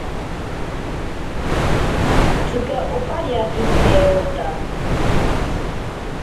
Tsika opariake perota.